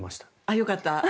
よかった。